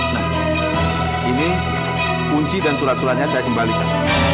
nah ini kunci dan surat suratnya saya kembalikan